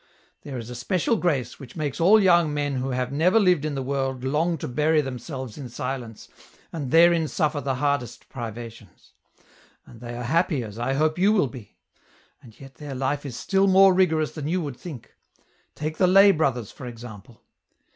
There is a special grace, which makes all young men who have never lived in the world long to bury themselves in silence and therein suffer the hardest privations ; and they are happy as I hope you will be ; and yet their life is still more rigorous than you would think ; take the lay brothers, for example.